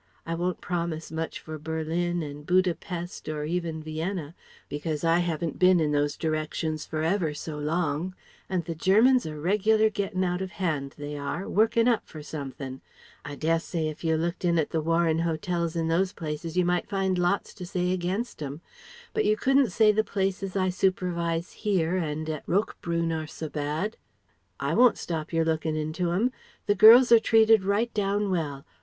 I won't promise much for Berlin and Buda Pest or even Vienna, because I haven't been in those directions for ever so long, and the Germans are reg'lar getting out of hand, they are, working up for something. I dessay if you looked in at the Warren Hotels in those places you might find lots to say against 'em. But you couldn't say the places I supervise here and at Roquebrune are so bad? I won't stop your looking into 'em. The girls are treated right down well.